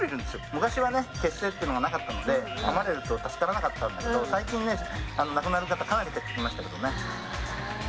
昔は血清がなかったのでかまれると助からなかったんだけど最近亡くなる方かなり減ってきましたけどね。